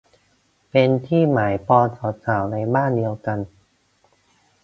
เป็นที่หมายปองของสาวในบ้านเดียวกัน